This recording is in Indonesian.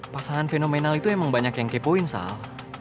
pasangan fenomenal itu emang banyak yang kepoin soal